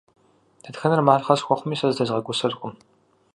Дэтхэнэр малъхъэ схуэхъуми, сэ зытезгъэгусэркъым.